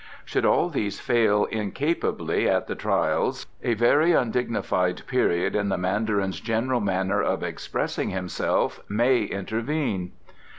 Should all these fail incapably at the trials a very undignified period in the Mandarin's general manner of expressing himself may intervene."